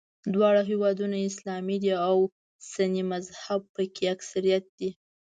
دواړه هېوادونه اسلامي دي او سني مذهب په کې اکثریت دی.